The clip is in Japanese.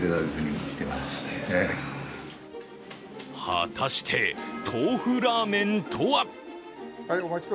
果たして、トーフラーメンとは。